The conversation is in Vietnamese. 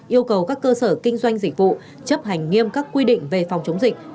yêu cầu các cơ sở kinh doanh dịch vụ chấp hành nghiêm các quy định về phòng chống dịch